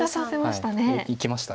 いきました。